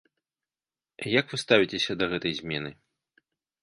Як вы ставіцеся да гэтай змены?